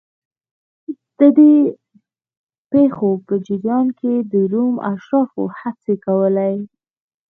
د دې پېښو په جریان کې د روم اشرافو هڅې کولې